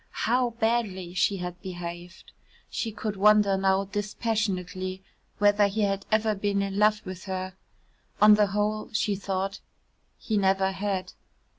How badly she had behaved. She could wonder now dispassionately whether he had ever been in love with her. On the whole, she thought, he never had.